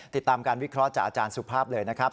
ติดตามการวิเคราะห์จากอาจารย์สุภาพเลยนะครับ